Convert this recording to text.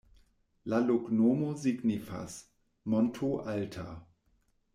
La loknomo signifas: monto-alta.